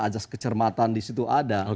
ajas kecermatan di situ ada